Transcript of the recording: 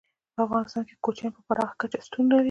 په افغانستان کې کوچیان په پراخه کچه شتون لري.